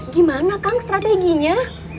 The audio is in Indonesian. gimana kang strateginya